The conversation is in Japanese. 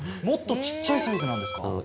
もっと小っちゃいサイズなんですか？